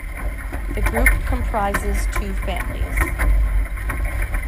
The group comprises two families.